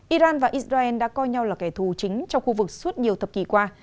iran và israel đã coi nhau là kẻ thù chính trong khu vực suốt nhiều thập kỷ qua